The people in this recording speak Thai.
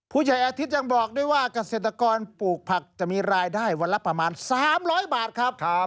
ผู้ใหญ่อาทิตย์ยังบอกด้วยว่าเกษตรกรปลูกผักจะมีรายได้วันละประมาณ๓๐๐บาทครับ